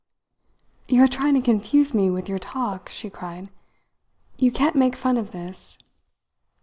"You are trying to confuse me with your talk," she cried. "You can't make fun of this."